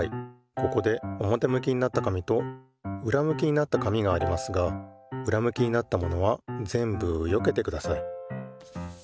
ここでおもてむきになった紙とうらむきになった紙がありますがうらむきになったものはぜんぶよけてください。